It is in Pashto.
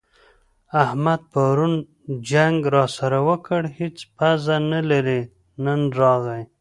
احمد پرون جنګ راسره وکړ؛ هيڅ پزه نه لري - نن راغی.